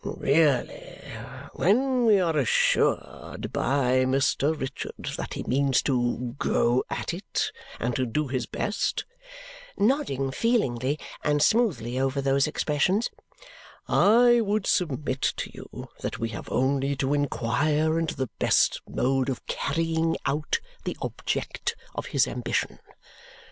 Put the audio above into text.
"Really, when we are assured by Mr. Richard that he means to go at it and to do his best," nodding feelingly and smoothly over those expressions, "I would submit to you that we have only to inquire into the best mode of carrying out the object of his ambition.